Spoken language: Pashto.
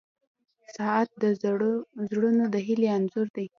• ساعت د زړونو د هیلې انځور دی.